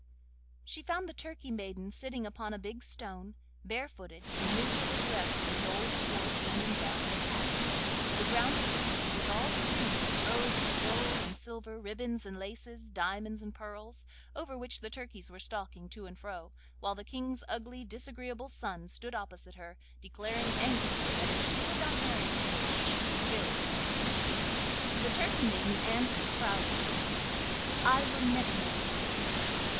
She found the turkey maiden sitting upon a big stone, barefooted, and miserably dressed in an old, coarse linen gown and cap; the ground at her feet was all strewn with robes of gold and silver, ribbons and laces, diamonds and pearls, over which the turkeys were stalking to and fro, while the King's ugly, disagreeable son stood opposite her, declaring angrily that if she would not marry him she should be killed. The Turkey maiden answered proudly: 'I never will marry you!